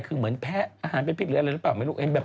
คือเหมือนแพ้อาหารเป็นผิดหรืออะไรหรือเปล่า